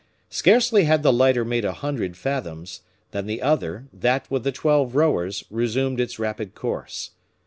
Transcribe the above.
Scarcely had the lighter made a hundred fathoms, than the other, that with the twelve rowers, resumed its rapid course.